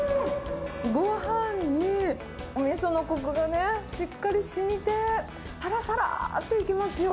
ごはんにおみそのこくがね、しっかりしみて、さらさらっといけますよ。